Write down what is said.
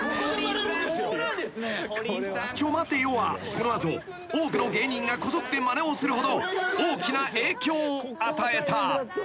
［「ちょ待てよ」はこの後多くの芸人がこぞってまねをするほど大きな影響を与えた］